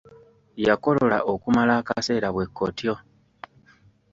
Yakolola okumala akaseera bwe kotyo.